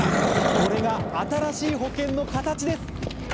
これが新しい保険の形です！